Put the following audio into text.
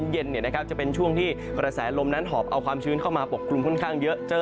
เย็นเนี่ยนะครับจะเป็นช่วงที่รัสแสลมนั้นหอบเอาความชื้นเข้ามาปกปรุ่มค่อนข้างเยอะเจอ